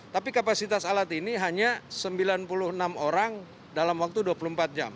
tapi kapasitas alat ini hanya sembilan puluh enam orang dalam waktu dua puluh empat jam